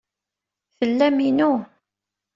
Tellam inu.